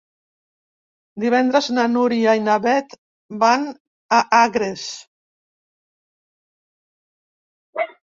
Divendres na Núria i na Beth van a Agres.